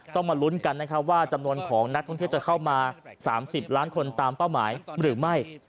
มาลุ้นกันนะครับว่าจำนวนของนักท่องเที่ยวจะเข้ามา๓๐ล้านคนตามเป้าหมายหรือไม่